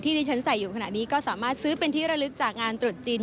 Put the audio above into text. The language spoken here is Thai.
ที่ที่ฉันใส่อยู่ขณะนี้ก็สามารถซื้อเป็นที่ระลึกจากงานตรุษจีน